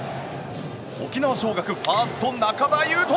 沖縄尚学、ファースト仲田侑仁